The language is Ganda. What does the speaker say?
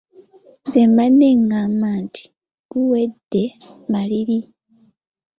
Nze mbadde ng'amba nti guwedde maliri!